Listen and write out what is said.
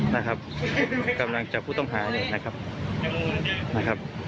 นะครับกำลังจับผู้ต้องหาเนี่ยนะครับนะครับ